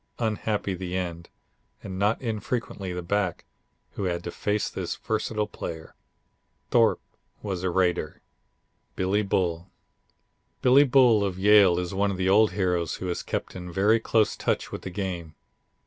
Unhappy the end, and not infrequently the back, who had to face this versatile player. Thorpe was a raider. Billy Bull Billy Bull of Yale is one of the old heroes who has kept in very close touch with the game.